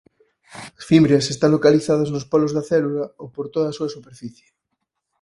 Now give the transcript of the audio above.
As fimbrias están localizadas nos polos da célula ou por toda a súa superficie.